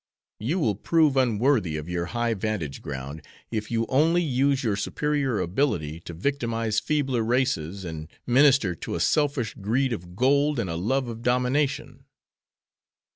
You will prove unworthy of your high vantage ground if you only use your superior ability to victimize feebler races and minister to a selfish greed of gold and a love of domination."